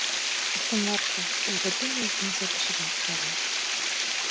Ысынлап та, ул бөтөнләй икенсе кешегә оҡшаған.